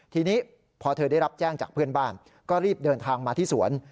ทีนี้พอเธอได้รับแจ้งจากเพื่อนบ้านก็รีบเดินทางมาที่สวน